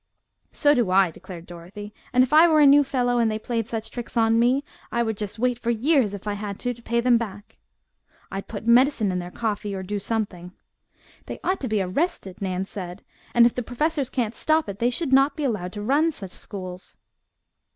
"So do I," declared Dorothy, "and if I were a new fellow, and they played such tricks on me, I would just wait for years if I had to, to pay them back." "I'd put medicine in their coffee, or do something." "They ought to be arrested," Nan said, "and if the professors can't stop it they should not be allowed to run such schools."